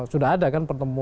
sudah ada kan pertemuan